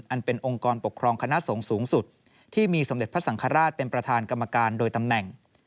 อันเป็นองค์กรปกครองคณะสงฆ์สูงสุดที่มีสมเด็จพระสังฆราชเป็นประธานกรรมการโดยตำแหน่ง